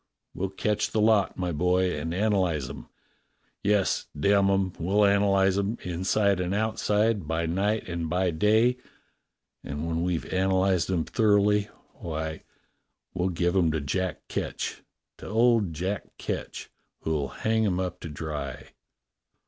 We'll catch the lot, my boy, and analyze 'em. Yes, damn 'em! we'll ana lyze 'em, inside and outside, by night and by day. And when we've analyzed 'em thoroughly, why, we'll give 'em to Jack Ketch — to old Jack Ketch, who'll hang 'em up to dry.